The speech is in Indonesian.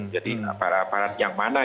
jadi aparat aparat yang mana